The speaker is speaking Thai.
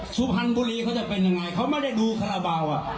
สุพรรณบุรีเขาจะเป็นยังไงเราก็ไม่ได้ดูอะ